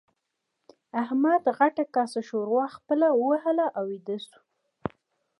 احمد غټه کاسه ښوروا څپه وهله او ويده شو.